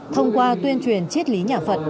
thông qua tuyên truyền triết lý nhà phật